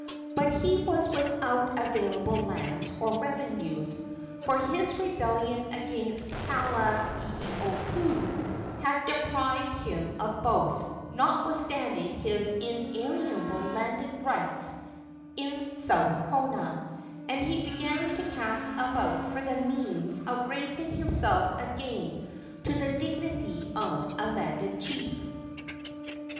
But he was without available lands or revenues, for his rebellion against Kalaniopuu had deprived him of both, notwithstanding his inalienable landed rights in South Kona, and he began to cast about for the means of raising himself again to the dignity of a landed chief.